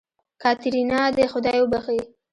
کاتېرينا دې خداى وبښي.